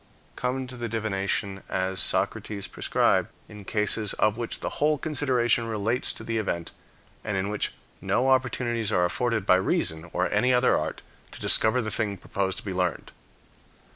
Come to divination, as Socrates prescribed, in cases of which the whole consideration relates to the event, and in which no opportunities are afforded by reason, or any other art, to discover the thing proposed to be learned.